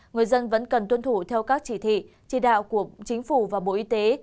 người dân vẫn cần tuân thủ theo các chỉ thị chỉ đạo của chính phủ và bộ y tế